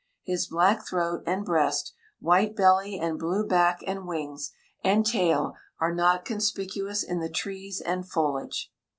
His black throat and breast, white belly and blue back and wings and tail are not conspicuous in the trees and foliage.